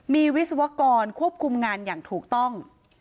มีวิศวกรควบคุมงานอย่างถูกต้อง